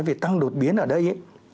về tăng đột biến ở đây